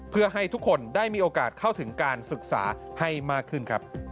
เพื่อให้ทุกคนได้มีโอกาสเข้าถึงการศึกษาให้มากขึ้นครับ